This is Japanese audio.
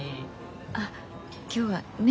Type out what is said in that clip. あ今日はね？